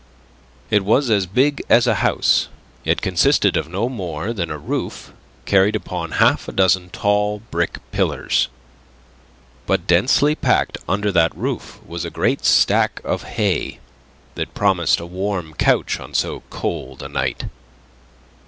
It was as big as a house, yet consisted of no more than a roof carried upon half a dozen tall, brick pillars. But densely packed under that roof was a great stack of hay that promised a warm couch on so cold a night.